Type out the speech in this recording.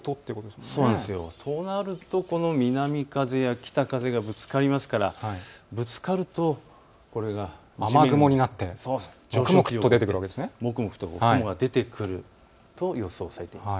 となると、この南風や北風がぶつかりますからぶつかるとこれが雨雲になってもくもくと雲が出てくると予想されています。